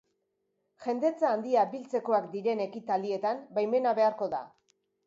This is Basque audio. Jendetza handia biltzekoak diren ekitaldietan, baimena beharko da.